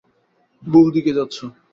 ভুল দিকে যাচ্ছ।